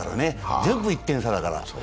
全部１点差だから。